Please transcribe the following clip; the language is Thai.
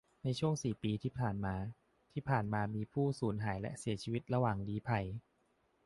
ในช่วงสี่ปีที่ผ่านมา ที่ผ่านมามีผู้สูญหายและเสียชีวิตระหว่างลี้ภัย